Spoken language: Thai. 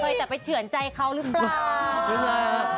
จะไปแต่ไปเฉือนใจเขาหรือเปล่า